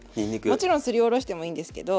もちろんすりおろしてもいいんですけど。